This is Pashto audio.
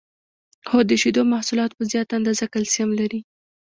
هو د شیدو محصولات په زیاته اندازه کلسیم لري